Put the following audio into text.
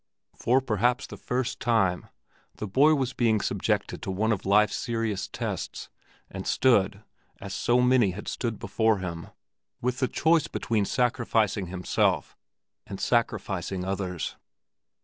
For perhaps the first time, the boy was being subjected to one of life's serious tests, and stood—as so many had stood before him—with the choice between sacrificing himself and sacrificing others.